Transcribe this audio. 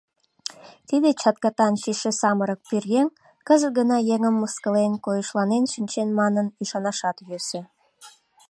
Тиде чаткатан чийше самырык пӧръеҥ кызыт гына еҥым мыскылен, койышланен шинчен манын, ӱшанашат йӧсӧ.